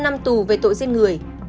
một mươi năm năm tù về tội giết người